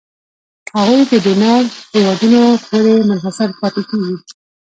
هغوی د ډونر هېوادونو پورې منحصر پاتې کیږي.